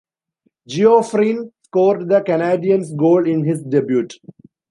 Geoffrion scored the Canadiens goal in his debut.